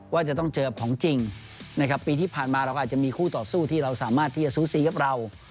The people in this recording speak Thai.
ว่าจะต้องเจอของจริงนะครับปีที่ผ่านมาเราก็อาจจะมีคู่ต่อสู้ที่เราสามารถที่จะสู้ซีกับเรา